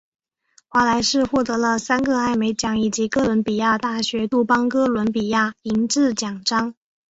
华莱士获得了三个艾美奖以及哥伦比亚大学杜邦哥伦比亚银质奖章。